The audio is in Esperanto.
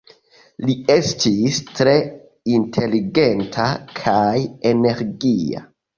Li estis tre inteligenta kaj energia.